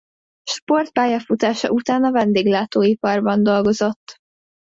Sportpályafutása után a vendéglátóiparban dolgozott.